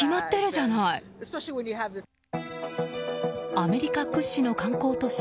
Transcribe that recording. アメリカ屈指の観光都市